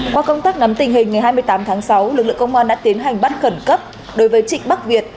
qua công tác nắm tình hình ngày hai mươi tám tháng sáu lực lượng công an đã tiến hành bắt khẩn cấp đối với trịnh bắc việt